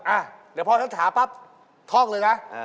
อ่าชาณสี่